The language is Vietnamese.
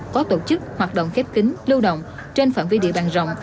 có tổ chức hoạt động khép kính lưu động trên phạm vi địa bàn rộng